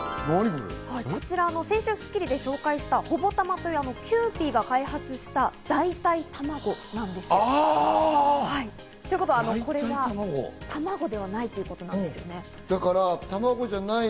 先週『スッキリ』で紹介したＨＯＢＯＴＡＭＡというキユーピーが開発した代替卵なんです。ということは、これは卵ではないということなんです。